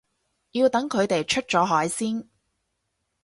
要等佢哋出咗海先